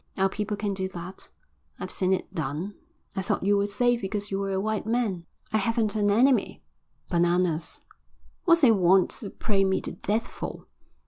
Our people can do that. I've seen it done. I thought you were safe because you were a white man." "I haven't an enemy." "Bananas." "What's he want to pray me to death for?"